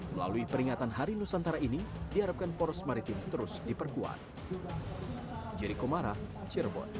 melalui peringatan hari nusantara ini diharapkan poros maritim terus diperkuat